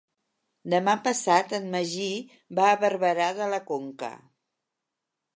Demà passat en Magí va a Barberà de la Conca.